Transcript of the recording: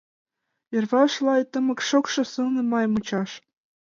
Йырваш лай тымык, шокшо, сылне май мучаш…